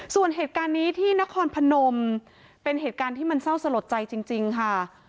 ส่วนเหตุการณ์นี้ที่นครพนมเป็นเหตุการณ์ที่มันเศร้าสลดใจจริงค่ะ